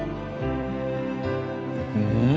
うん！